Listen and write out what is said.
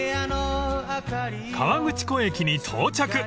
［河口湖駅に到着］